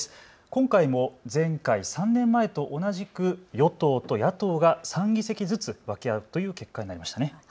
今回も前回３年前と同じく与党と野党が３議席ずつ分け合うという結果になりましたね。